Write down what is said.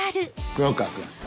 黒川君。